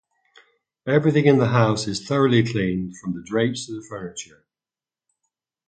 Everything in the house is thoroughly cleaned, from the drapes to the furniture.